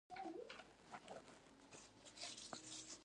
ماريا د کورنۍ د جنجال نه کولو وويل.